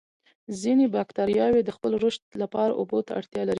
ځینې باکتریاوې د خپل رشد لپاره اوبو ته اړتیا لري.